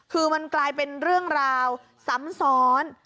คือมันกลายเป็นเรื่องราวซ้ำซ้อน